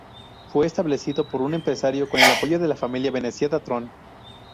Fue establecido por un empresario con el apoyo de la familia veneciana Tron.